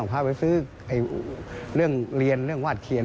คุณผู้ชมฟังเสียงเจ้าอาวาสกันหน่อยค่ะ